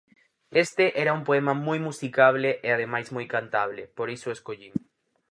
Este era un poema moi musicable e ademais moi cantable, por iso o escollín.